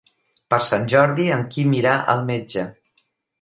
Per Sant Jordi en Quim irà al metge.